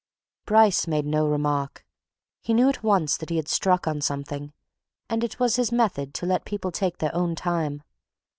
Bryce made no remark. He knew at once that he had struck on something, and it was his method to let people take their own time.